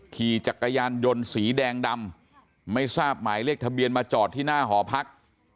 ขี่จักรยานยนต์สีแดงดำไม่ทราบหมายเลขทะเบียนมาจอดที่หน้าหอพัก